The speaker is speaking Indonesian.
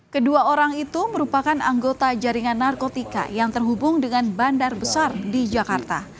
kedua orang itu merupakan anggota jaringan narkotika yang terhubung dengan bandar besar di jakarta